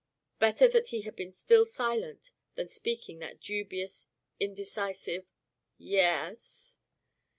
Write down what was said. Better that he had been still silent, than speak that dubious, indecisive "Y es."